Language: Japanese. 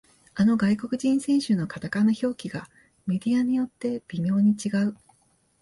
あの外国人選手のカタカナ表記がメディアによって微妙に違う